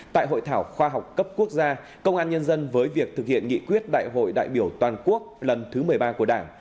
tại hội thảo khoa học cấp quốc gia công an nhân dân với việc thực hiện nghị quyết đại hội đại biểu toàn quốc lần thứ một mươi ba của đảng